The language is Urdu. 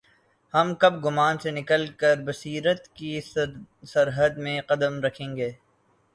ہم کب گمان سے نکل کربصیرت کی سرحد میں قدم رکھیں گے؟